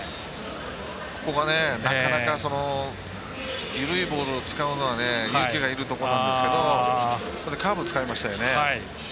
ここは、なかなか緩いボールを使うのは勇気がいるところなんですけどカーブ使いましたよね。